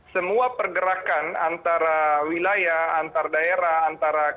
semua pergerakan antara wilayah antar daerah antara kota